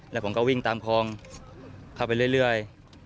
แล้วผมก็วิ่งตามคลองเข้าไปเรื่อย